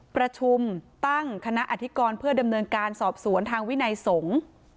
ประชุมตั้งคณะอธิกรเพื่อดำเนินการสอบสวนทางวินัยสงฆ์